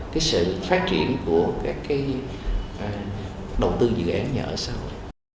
cái sự phát triển của các cái đầu tư dự án nhà ở xã hội